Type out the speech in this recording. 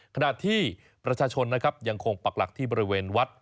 ขณะที่ประชาชนนะครับยังคงปักหลักที่บริเวณวัด